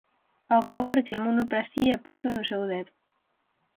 Ao cabo reclamouno para si e púxoo no seu dedo.